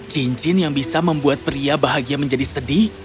cincin yang bisa membuat pria bahagia menjadi sedih